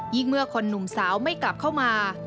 เมื่อคนหนุ่มสาวไม่กลับเข้ามา